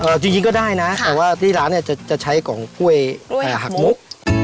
จริงก็ได้นะแต่ว่าที่ร้านเนี่ยจะจะใช้ของกล้วยอ่าหักมุก